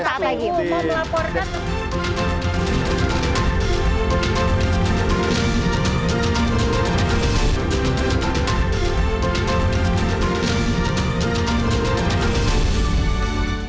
masyarakat ingin melaporkan sesaat lagi